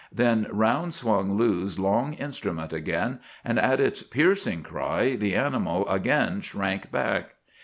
"Then round swung Lou's long instrument again, and at its piercing cry the animal again shrank back.